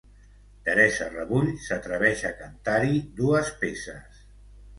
Teresa Rebull s'atreveix a cantar-hi dues peces.